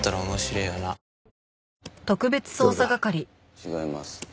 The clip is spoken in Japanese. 違います。